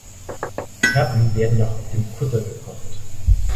Krabben werden noch auf dem Kutter gekocht.